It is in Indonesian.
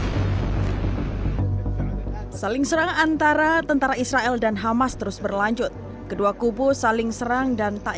hai saling serang antara tentara israel dan hamas terus berlanjut kedua kubu saling serang dan tak